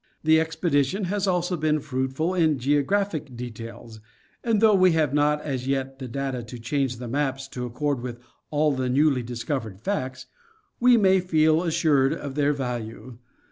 The expedition has also been fruitful in geographic details, and though we have not as yet the data to change the maps to accord with all the newly discovered facts, we may feel assured of their Geography of the Land. . 35 value.